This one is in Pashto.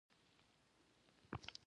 لوېدیځې اروپا واټن ونیو.